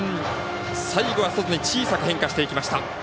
最後は外に小さく変化していきました。